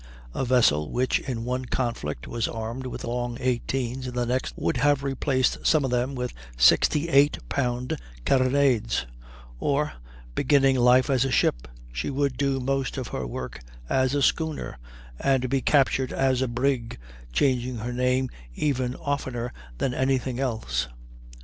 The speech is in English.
A vessel which in one conflict was armed with long 18's, in the next would have replaced some of them with 68 pound carronades; or, beginning life as a ship, she would do most of her work as a schooner, and be captured as a brig, changing her name even oftener than any thing else.